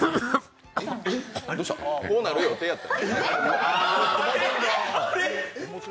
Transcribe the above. こうなる予定やった。